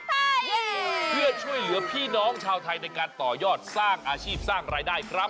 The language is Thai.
เพื่อช่วยเหลือพี่น้องชาวไทยในการต่อยอดสร้างอาชีพสร้างรายได้ครับ